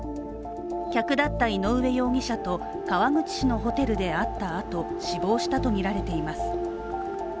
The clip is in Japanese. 客だった井上容疑者と川口市のホテルで会ったあと死亡したとみられています。